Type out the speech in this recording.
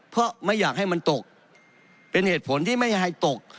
เพราะไม่อยากให้มันตกเป็นเหตุผลที่ไม่ให้ตก